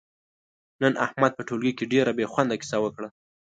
نن احمد په ټولگي کې ډېره بې خونده کیسه وکړه،